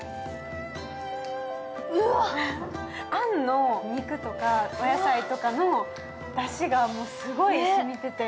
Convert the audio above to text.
うわー、あんの肉とかお野菜とかのだしがすごい染みてて。